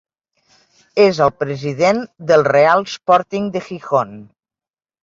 És el president del Real Sporting de Gijón.